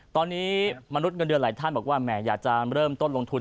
ตอนนี้มนุษย์เงินเดือนหลายท่านบอกว่าแหมอยากจะเริ่มต้นลงทุน